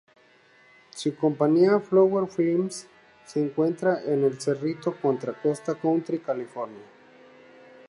Su compañía, Flower Films, se encuentra en El Cerrito, Contra Costa County, California.